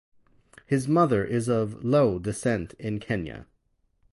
His mother is of Luo descent in Kenya.